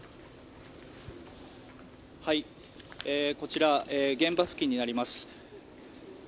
こちら、現場付近になります。